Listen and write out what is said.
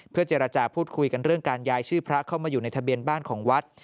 เจรจาพูดคุยกันเรื่องการย้ายชื่อพระเข้ามาอยู่ในทะเบียนบ้านของวัด